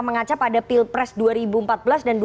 mengacap pada pilpres dua ribu empat belas dan